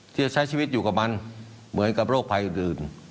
ที่จะใช้ชีวิตอยู่กับมันเหมือนกับโรคภัยอื่น